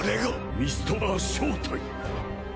ミストバーンの正体！